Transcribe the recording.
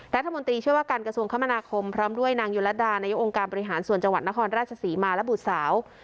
รัฐมนตรีช่วยว่าการกระทรวงคมนาคมพร้อมด้วยนางยุลดานายกองค์การบริหารส่วนจังหวัดนครราชศรีมาและบุตรสาว